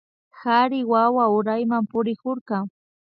Kari wawa urayman purikurka